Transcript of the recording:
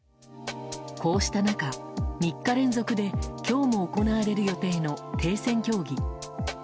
こうした中、３日連続で今日も行われる予定の停戦協議。